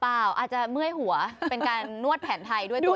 อาจจะเมื่อยหัวเป็นการนวดแผนไทยด้วยตัวเอง